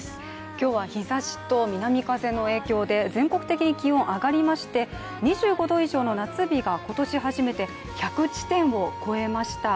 今日は日ざしと南風の影響で全国的に気温、上がりまして２５度以上の夏日が、今年初めて１００地点を超えました。